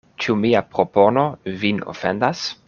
Ĉu mia propono vin ofendas?